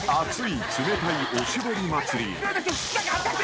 熱い！